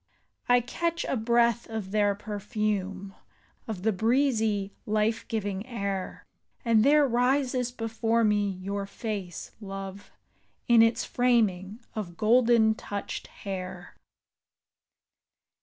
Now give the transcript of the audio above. I catch a breath of their perfume. Of the breezy, life giving air. And there rises before me your face, love, In its framing of golden touched hair.